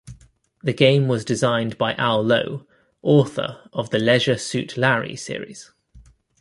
The game was designed by Al Lowe, author of the "Leisure Suit Larry" series.